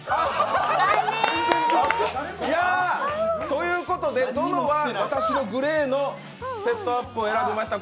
ということで、ぞのが私のグレーのセットアップを選びました。